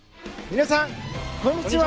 皆さん、こんにちは。